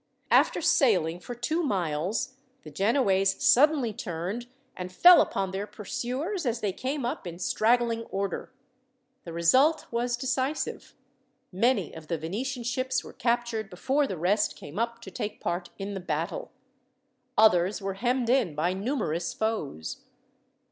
After sailing for two miles, the Genoese suddenly turned, and fell upon their pursuers as they came up in straggling order. The result was decisive. Many of the Venetian ships were captured before the rest came up to take part in the battle. Others were hemmed in by numerous foes.